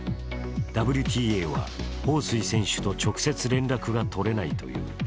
ＷＴＡは彭帥選手と直接連絡が取れないという。